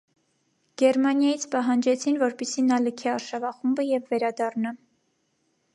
Գերմանիայից պահանջեցին, որպեսզի նա լքի արշավախումբը և վերադառնա։